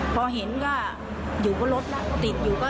พอเห็นเป็นลดก็ติด